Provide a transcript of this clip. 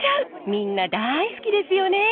みんな大好きですよね。